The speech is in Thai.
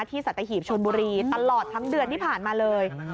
สัตหีบชนบุรีตลอดทั้งเดือนที่ผ่านมาเลย